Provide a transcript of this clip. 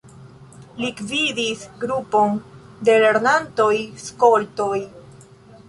Li gvidis grupon da lernantoj-skoltoj.